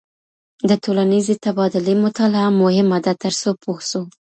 د ټولنیزې تبادلې مطالعه مهمه ده ترڅو پوه سو.